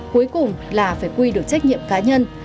cuối cùng là phải quy được trách nhiệm cá nhân